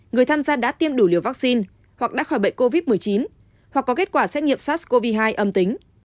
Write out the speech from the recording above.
người tham gia đã tiêm đủ liều vaccine hoặc đã khỏi bệnh covid một mươi chín hoặc có kết quả xét nghiệm sars cov hai âm tính